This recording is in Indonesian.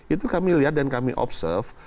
itu kami lihat dan kami observe